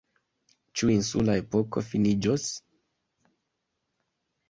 Ĉu insula epoko finiĝos?